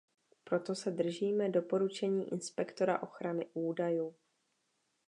Proto se držíme doporučení inspektora ochrany údajů.